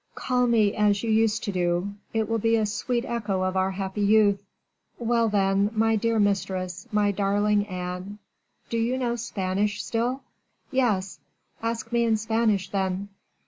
"Call me as you used to do; it will be a sweet echo of our happy youth." "Well, then, my dear mistress, my darling Anne " "Do you know Spanish, still?" "Yes." "Ask me in Spanish, then."